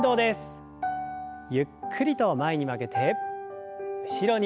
ゆっくりと前に曲げて後ろに。